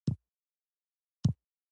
په پروګرام او پلان باندې بررسي.